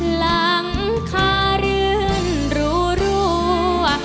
หลังคารื่นรัว